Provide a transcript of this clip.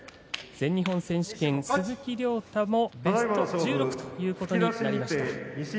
全日本選手権、鈴木涼汰もベスト１６ということになりました。